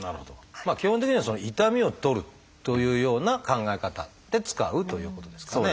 基本的には痛みを取るというような考え方で使うということですかね。